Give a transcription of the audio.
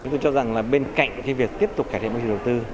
tôi cho rằng bên cạnh việc tiếp tục cải thiện mức đầu tư